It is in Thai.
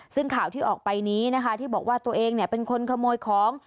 ซึ่งข่าวที่ออกไปนี้นะคะที่บอกว่าตัวเองเป็นคนขโมยของ